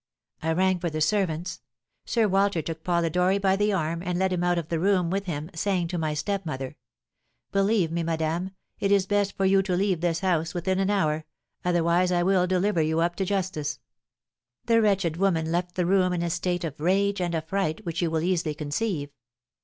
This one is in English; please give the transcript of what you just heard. I rang for the servants. Sir Walter took Polidori by the arm and led him out of the room with him, saying to my stepmother, 'Believe me, madame, it is best for you to leave this house within an hour, otherwise I will deliver you up to justice.' The wretched woman left the room in a state of rage and affright, which you will easily conceive.